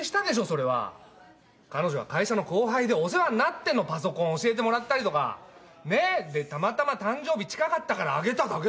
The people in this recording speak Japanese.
それは彼女は会社の後輩でお世話になってんのパソコン教えてもらったりとかね？でたまたま誕生日近かったからあげただけだよ